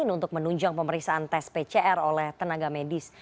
untuk menunjang pemeriksaan tes pcr oleh tenaga medis